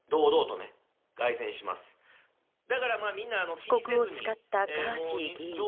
帰国を誓ったガーシー議員。